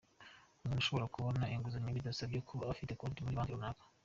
umuntu ashobora kubona inguzanyo bidasabye kuba afite konti muri Banki runaka.